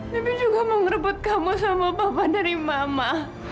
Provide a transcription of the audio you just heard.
bibi juga mau ngerebut kamu sama papa dari mama